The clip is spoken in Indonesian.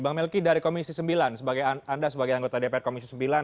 bang melki dari komisi sembilan anda sebagai anggota dpr komisi sembilan